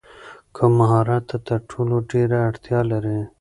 کوم مهارت ته تر ټولو ډېره اړتیا لرې؟